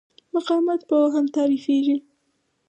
مقاومت په اوهم تعریفېږي.